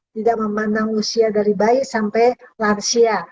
tidak memandang usia dari bayi sampai lansia